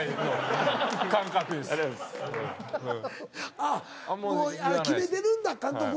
あっもう決めてるんだ監督は。